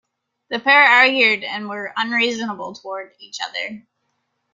The pair argued and were unreasonable toward each other.